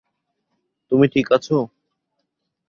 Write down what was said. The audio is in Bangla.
তুমি ঠিক আছ।